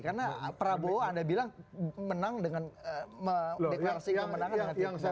karena prabowo anda bilang menang dengan deklarasi kemenangan